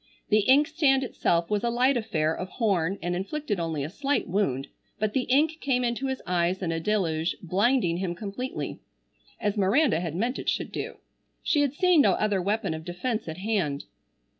The inkstand itself was a light affair of horn and inflicted only a slight wound, but the ink came into his eyes in a deluge blinding him completely, as Miranda had meant it should do. She had seen no other weapon of defense at hand.